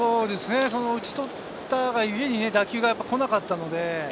打ち取ったが故に打球がこなかったので。